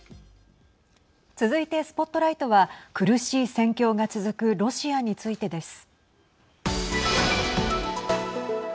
続いてＳＰＯＴＬＩＧＨＴは苦しい戦況が続くロシアについてです。